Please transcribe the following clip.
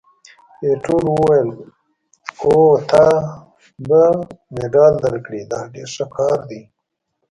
ایټور وویل: اوه، تا ته به مډال درکړي! دا ډېر ښه کار دی.